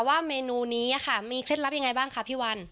เมนูนี้ค่ะมีเคล็ดลับยังไงบ้างคะพี่วัน